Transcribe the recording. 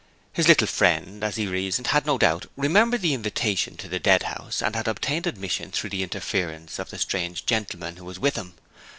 His little friend (as he reasoned) had, no doubt, remembered the invitation to the Deadhouse, and had obtained admission through the interference of the strange gentleman who was with him.